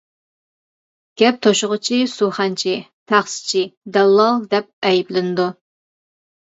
گەپ توشىغۇچى سۇخەنچى، تەخسىچى. دەللال. دەپ ئەيىبلىنىدۇ.